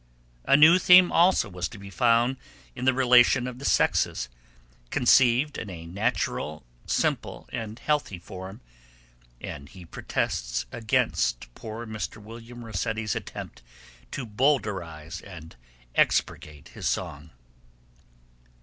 A new theme also was to be found in the relation of the sexes, conceived in a natural, simple and healthy form, and he protests against poor Mr. William Rossetti's attempt to Bowdlerise and expurgate his song.